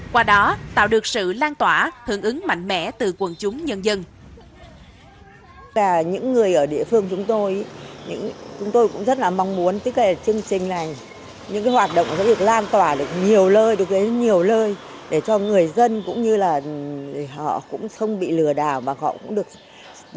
qua đó tạo được sự lan tỏa hưởng ứng mạnh mẽ từ quần chúng nhân dân